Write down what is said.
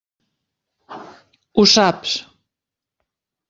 Ho saps.